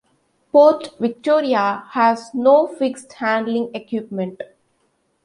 Port-Victoria has no fixed handling equipment.